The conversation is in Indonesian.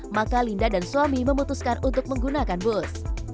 maka linda dan suami memutuskan untuk menggunakan bus